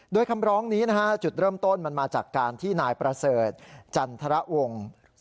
โดยคำร้องนี้นะฮะจุดเริ่มต้นมันมาจากการที่นายประเสริฐจันทรวงศ์